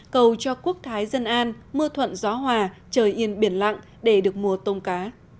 cầu cho quốc thái dân an mưa thuận gió hòa trời yên biển lặng để được mùa tôm cá